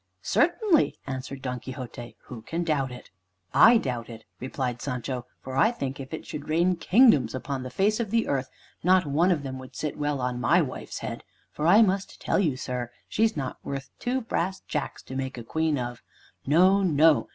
"Certainly," answered Don Quixote, "who can doubt it?" "I doubt it," replied Sancho, "for I think if it should rain kingdoms upon the face of the earth, not one of them would sit well on my wife's head. For I must tell you, sir, she's not worth two brass jacks to make a Queen of. No, no!